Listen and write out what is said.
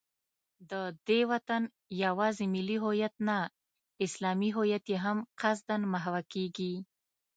د دې وطن یوازې ملي هویت نه، اسلامي هویت یې هم قصدا محوه کېږي